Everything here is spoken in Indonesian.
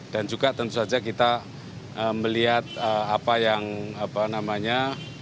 dan juga tentu saja kita melihat apa yang apa namanya